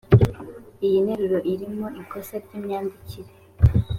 iyi nteruro irimo ikosa ry imyandikire